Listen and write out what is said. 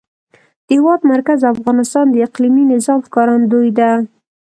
د هېواد مرکز د افغانستان د اقلیمي نظام ښکارندوی ده.